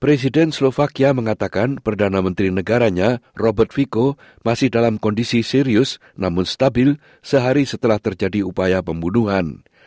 presiden slovakia mengatakan perdana menteri negaranya robert viko masih dalam kondisi serius namun stabil sehari setelah terjadi upaya pembunuhan